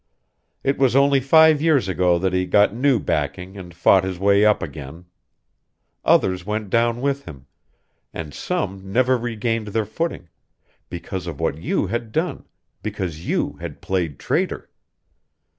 It was only five years ago that he got new backing and fought his way up again. Others went down with him, and some never regained their footing because of what you had done, because you had played traitor!